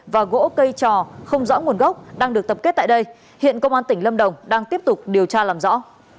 và gỗ cây trò không rõ nguồn gốc đang được tập kết tại đây hiện công an tỉnh lâm đồng đang tiếp tục điều tra làm rõ